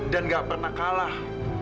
dan gak pernah kalah